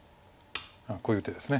こういう手です。